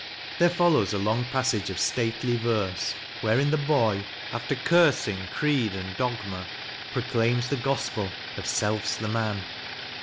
There follows a long passage of stately verse, wherein the boy, after cursing creed and dogma, proclaims the Gospel of "Self's the Man."